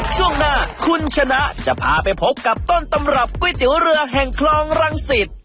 ช่วงหน้าคุณชนะจะพาไปพบกับต้นตำรับก๋วยเตี๋ยวเรือแห่งคลองรังสิต